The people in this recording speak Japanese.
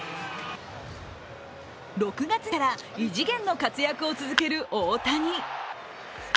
６月から異次元の活躍を続ける大谷